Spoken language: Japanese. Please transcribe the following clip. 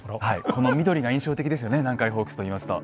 この緑が印象的ですよね南海ホークスといいますと。